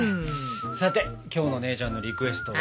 さて今日の姉ちゃんのリクエストは？